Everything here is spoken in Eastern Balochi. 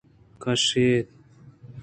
کشّ اِتے